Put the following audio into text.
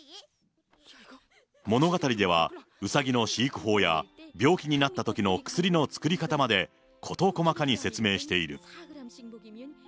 物語ではうさぎの飼育法や病気になったときの薬の作り方まで、事細かに説明している。